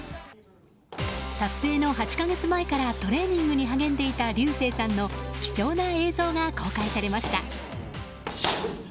撮影の８か月前からトレーニングに励んでいた流星さんの貴重な映像が公開されました。